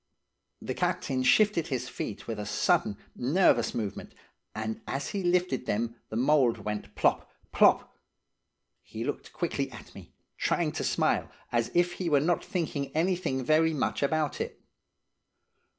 "The captain shifted his feet with a sudden, nervous movement, and as he lifted them the mould went plop, plop! He looked quickly at me, trying to smile, as if he were not thinking anything very much about it.